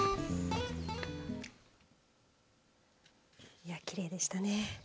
いや、きれいでしたね。